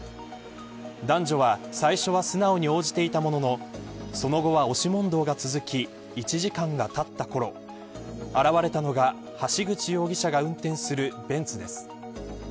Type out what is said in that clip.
男女は、最初は素直に応じていたもののその後は、押し問答が続き１時間がたったころ現れたのが橋口容疑者が運転するベンツです。